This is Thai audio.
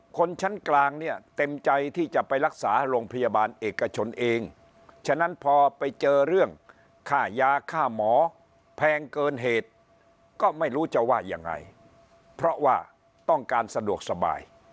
คนชั้นกลางเนี่ยเต็มใจที่จะไปรักษาโรงพยาบาลเอกชนเองฉะนั้นพอไปเจอเรื่องค่ายาค่าหมอแพงเกินเหตุก็ไม่รู้จะว่ายังไงเพราะว่าต้องการสะดวกสบาย